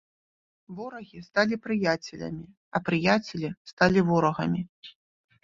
Ворагі сталі прыяцелямі, а прыяцелі сталі ворагамі.